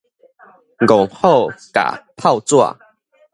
戇虎咬炮紙